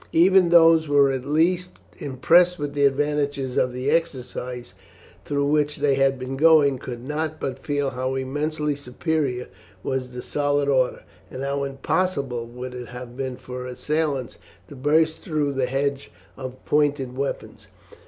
Even those who were least impressed with the advantages of the exercises through which they had been going, could not but feel how immensely superior was the solid order, and how impossible would it have been for assailants to burst through the hedge of pointed weapons.